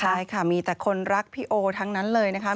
ใช่ค่ะมีแต่คนรักพี่โอทั้งนั้นเลยนะคะ